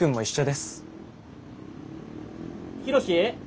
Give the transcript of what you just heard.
ヒロシ？